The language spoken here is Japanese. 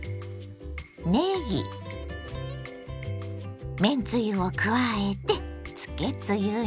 ねぎめんつゆを加えてつけつゆに。